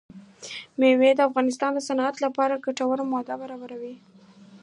مېوې د افغانستان د صنعت لپاره ګټور مواد برابروي.